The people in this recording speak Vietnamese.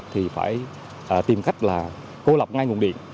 thì tìm cách là cô lọc ngay nguồn điện